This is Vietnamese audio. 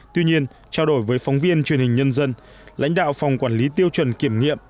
tuy nhiên trao đổi với phóng viên truyền hình nhân dân lãnh đạo phòng quản lý tiêu chuẩn kiểm nghiệm